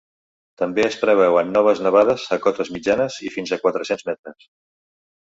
També es preveuen noves nevades a cotes mitjanes i fins a quatre-cents metres.